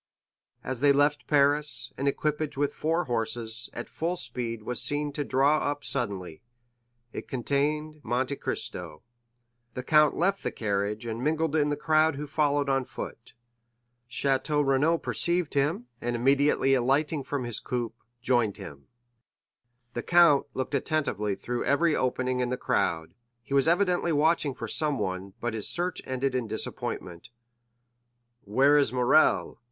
As they left Paris, an equipage with four horses, at full speed, was seen to draw up suddenly; it contained Monte Cristo. The count left the carriage and mingled in the crowd who followed on foot. Château Renaud perceived him and immediately alighting from his coupé, joined him; Beauchamp did the same. The count looked attentively through every opening in the crowd; he was evidently watching for someone, but his search ended in disappointment. 50119m "Where is Morrel?"